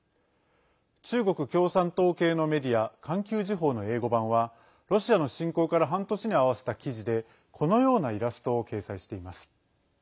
中国共産党系のメディア環球時報の英語版はロシアの侵攻から半年に合わせた記事でこのようなイラストを掲載しています。